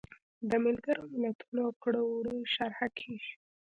د ملګرو ملتونو د کړو وړو شرحه کیږي.